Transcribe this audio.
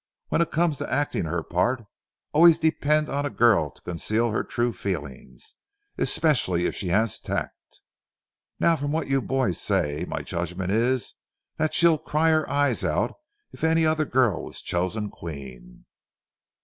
"When it comes to acting her part, always depend on a girl to conceal her true feelings, especially if she has tact. Now, from what you boys say, my judgment is that she'd cry her eyes out if any other girl was chosen Queen."